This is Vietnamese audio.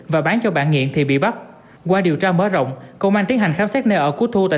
và bán cho bạn nghiện thì bị bắt qua điều tra mở rộng công an tiến hành khám xét nơi ở của thu tại